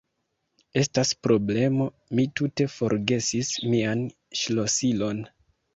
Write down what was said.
Estas problemo: mi tute forgesis mian ŝlosilon.